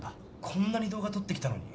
こんなに動画撮ってきたのに？